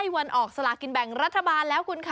วันออกสลากินแบ่งรัฐบาลแล้วคุณค่ะ